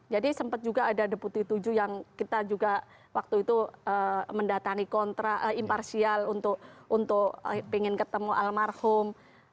jadi sempat juga ada deputi vii yang kita juga waktu itu mendatangi kontra imparsial untuk ingin ketemu almarhum